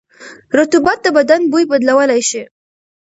رطوبت د بدن بوی بدلولی شي.